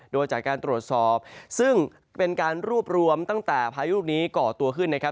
โดยจากการตรวจสอบซึ่งเป็นการรวบรวมตั้งแต่พยุคนี้เกาะตัวขึ้น